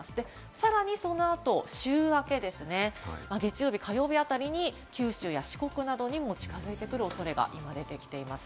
さらにその後、週明けですね、月曜日、火曜日あたりに九州や四国などにも近づいてくる恐れが出てきています。